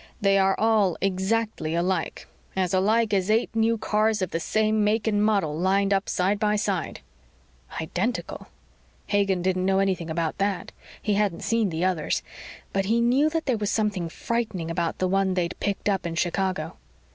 They were all exactly alike; as alike as eight new cars of the same make and model lined up side by side ..." Identical. Hagen didn't know anything about that. He hadn't seen the others. But he knew that there was something frightening about the one they'd picked up in Chicago.